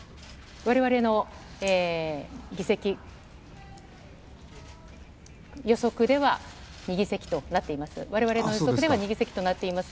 われわれの議席予測では２議席となっています。